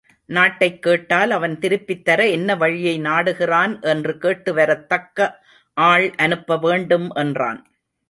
நாட்டைக் கேட்டால் அவன் திருப்பித்தர என்ன வழியை நாடுகிறான் என்று கேட்டுவரத் தக்க ஆள் அனுப்ப வேண்டும் என்றான்.